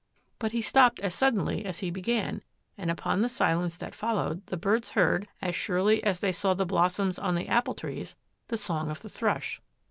But he stopped as suddenly as he had begun, and upon the silence that followed the birds heard, as surely as they saw the blossoms on the apple trees, the song of the thrush.